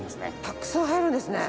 たくさん入るんですね。